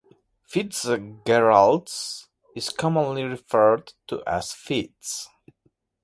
Fitzgerald's is commonly referred to as "Fitz".